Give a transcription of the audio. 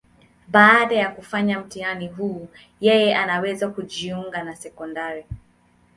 Baada ya kufanya mtihani huu, yeye anaweza kujiunga na sekondari.